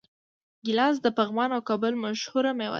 ګیلاس د پغمان او کابل مشهوره میوه ده.